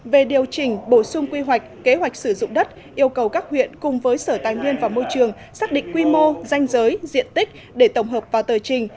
về điều chỉnh bổ sung quy hoạch kế hoạch sử dụng đất yêu cầu các huyện cùng với sở tài nguyên và môi trường xác định quy mô danh giới diện tích để tổng hợp vào tờ trình